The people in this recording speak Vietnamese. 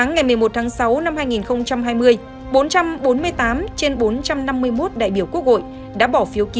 ngày một mươi một tháng sáu năm hai nghìn hai mươi sto đã bỏ phiếu kín tán thành thông qua nghị quyết về việc phê chuẩn miễn nhiệm chức vụ phó thủ tướng chính phủ đối với ông